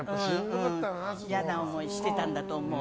嫌な思いしてたんだと思う。